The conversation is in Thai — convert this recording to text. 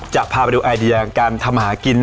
จะพาไปดูไอเดียการทำหากิน